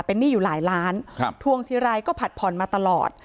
เป็นหนี้อยู่หลายล้านทวงทีไรก็ผัดผ่อนมาตลอด